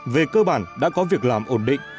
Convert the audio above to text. về cơ bản đã có việc làm ổn định